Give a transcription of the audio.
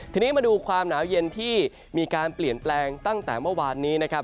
ทีนี้มาดูความหนาวเย็นที่มีการเปลี่ยนแปลงตั้งแต่เมื่อวานนี้นะครับ